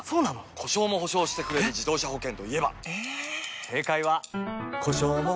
故障も補償してくれる自動車保険といえば？